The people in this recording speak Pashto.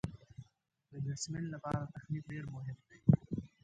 د بېټسمېن له پاره تخنیک ډېر مهم دئ.